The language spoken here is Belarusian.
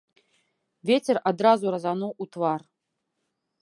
Вецер адразу разануў у твар.